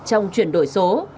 trong chuyển đổi số